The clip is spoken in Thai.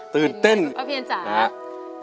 ตื่นเต้นครับพระเพียนจ๋าตื่นเต้น